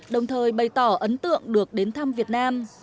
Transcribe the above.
đồng thời bày tỏ ấn tượng được đến thăm việt nam